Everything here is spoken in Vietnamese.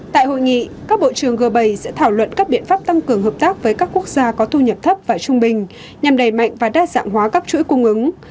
tại hội nghị các bộ trưởng g bảy sẽ thảo luận các biện pháp tăng cường hợp tác với các quốc gia có thu nhập thấp và trung bình nhằm đầy mạnh và đa dạng hóa các chuỗi cung ứng